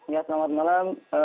ya selamat malam